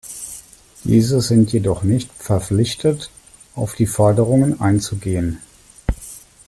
Diese sind jedoch nicht verpflichtet, auf die Forderungen einzugehen.